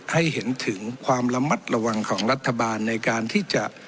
ให้เห็นถึงความระมัดระวังของรัฐบาลในการที่จะ